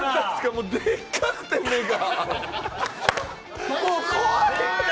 でっかくて、目が。